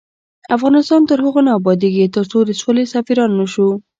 افغانستان تر هغو نه ابادیږي، ترڅو د سولې سفیران نشو.